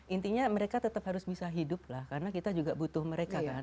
intinya mereka tetap harus bisa hidup lah karena kita juga butuh mereka kan